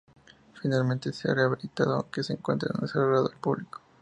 Finalmente se ha rehabilitado, aunque se encuentra cerrado al público.